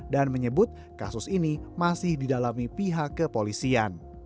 dan menyebut kasus ini masih didalami pihak kepolisian